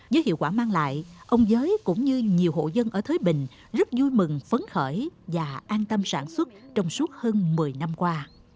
với hiệu quả mang lại ông giới cũng như nhiều hộ dân ở thới bình rất vui mừng phấn khởi và an tâm sản xuất trong suốt hơn một mươi năm qua